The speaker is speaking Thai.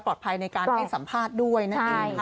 ปลอดภัยในการให้สัมภาษณ์ด้วยนั่นเอง